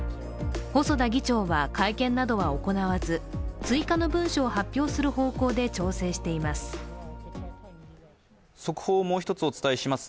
細田議長は会見などは行わず追加の文書を発表する方向で調整しています。